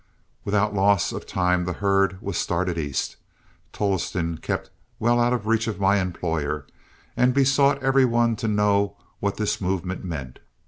Without loss of time the herd was started east. Tolleston kept well out of reach of my employer, and besought every one to know what this movement meant.